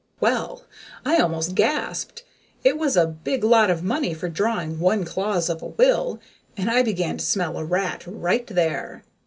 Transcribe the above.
Well, I almost gasped. It was a big lot of money for drawing one clause of a will, and I began to smell a rat right there.